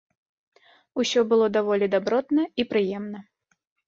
Усё было даволі дабротна і прыемна.